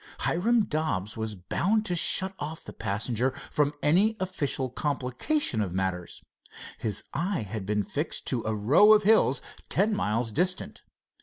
Hiram Dobbs was bound to shut off the passenger from any official complication of matters. His eye had been fixed to a row of hills ten miles distant.